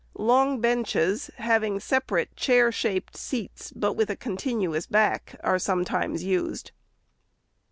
Long benches, having separate chair shaped seats, but with a continuous back, are sometimes used.